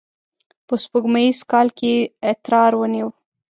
په سپوږمیز کال کې یې اترار ونیو.